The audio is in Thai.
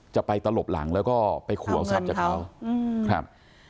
จะไปตลบหลังแล้วก็ไปครัวอาวุธจากเขา